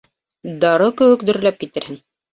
Дары кеүек дөрләп китерһең.